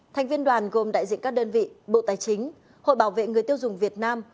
thành viên đoàn gồm đại diện các đơn vị bộ tài chính hội bảo vệ người tiêu dùng việt nam